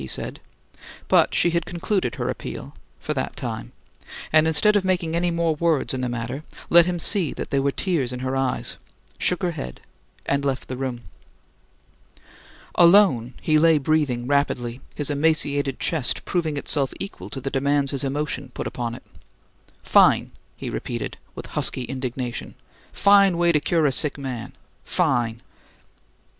he said; but she had concluded her appeal for that time and instead of making any more words in the matter, let him see that there were tears in her eyes, shook her head, and left the room. Alone, he lay breathing rapidly, his emaciated chest proving itself equal to the demands his emotion put upon it. "Fine!" he repeated, with husky indignation. "Fine way to cure a sick man! Fine!"